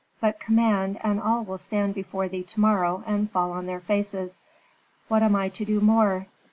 But command and all will stand before thee to morrow and fall on their faces. What am I to do more?